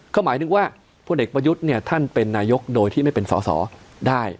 ก็หมายถึงว่าพลเอกประยุทธ์เนี่ยท่านเป็นนายกโดยที่ไม่เป็นสอสอได้